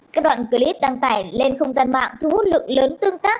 các đoạn clip đăng tải lên không gian mạng thu hút lượng lớn tương tác